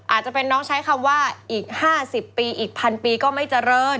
อาจจะเป็นน้องใช้คำว่าอีก๕๐ปีอีกพันปีก็ไม่เจริญ